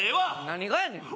何がやねん？